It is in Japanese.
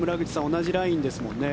同じラインですもんね。